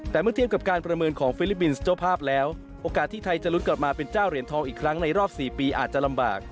แต่เมื่อเทียบกับการประเมินของฟิลิปปินส์เจ้าภาพแล้วโอกาสที่ไทยจะลุ้นกลับมาเป็นเจ้าเหรียญทองอีกครั้งในรอบ๔ปีอาจจะลำบาก